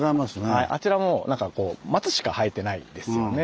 あちらもう松しか生えてないですよね。